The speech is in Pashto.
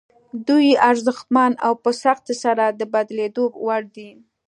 دوی ارزښتمن او په سختۍ سره د بدلېدو وړ دي.